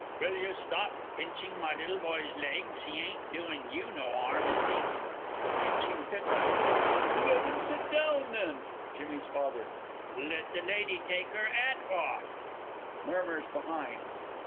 Will you stop pinching my little boy's legs! He ain't doing you no 'arm is he? THE PINCHING PITTITE. Let him sit down, then! JIMMY'S FATHER. Let the lady take her 'at off! MURMURS BEHIND.